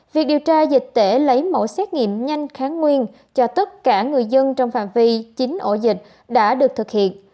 việc điều tra dịch tễ lấy mẫu xét nghiệm nhanh kháng nguyên cho tất cả người dân trong phạm vi chín ổ dịch đã được thực hiện